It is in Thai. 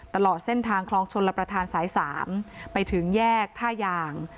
ตลอดเส้นทางคลองชนรับประทานสาย๓ไปถึงแยกท่ายาง